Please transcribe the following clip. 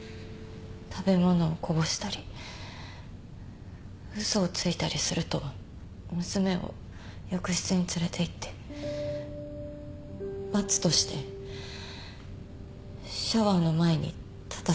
食べ物をこぼしたり嘘をついたりすると娘を浴室に連れていって罰としてシャワーの前に立たせました。